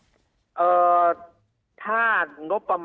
จ่ายได้กี่วันครับท่านกระโชคครับ